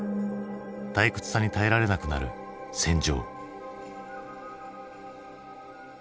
退屈さに耐えられなくなる戦場。